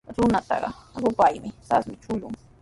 Runtuqa rupaywan sasmi chullun.